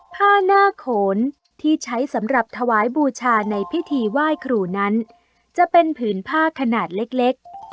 ผ้าหน้าโขนที่ใช้สำหรับถวายบูชาในพิธีไหว้ครูนั้นจะเป็นผืนผ้าขนาดเล็ก